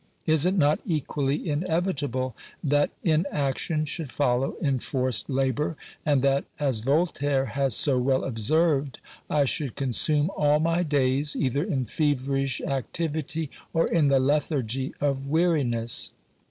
Is it not equally inevitable that inaction should follow enforced labour, and that, as Voltaire has so well observed, I should consume all my days either in feverish activity or in the lethargy of weariness